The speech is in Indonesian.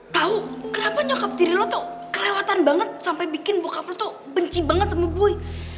tau kenapa nyokap tiri lo tuh kelewatan banget sampai bikin bokap lo tuh benci banget sama gue